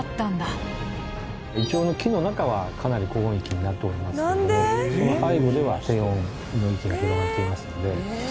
イチョウの木の中はかなり高温域になっておりますけれどもその背後では低温の域が広がっていますので。